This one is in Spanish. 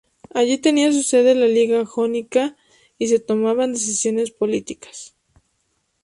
Allí tenía su sede la Liga Jónica y se tomaban decisiones políticas.